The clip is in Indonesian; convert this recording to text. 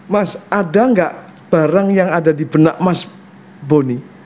mas ada nggak barang yang ada di benak mas boni